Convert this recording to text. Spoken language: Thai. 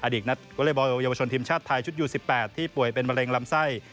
อดีกนัดก็เลยบอลยวชนทีมชาติไทยชุดยูสิบแปดที่ป่วยเป็นมะเร็งลำไส้